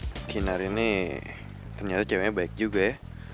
mungkin hari ini ternyata ceweknya baik juga ya